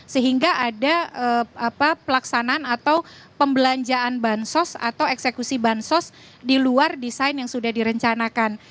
sehingga ada pelaksanaan atau pembelanjaan bansos atau eksekusi bansos di luar desain yang sudah direncanakan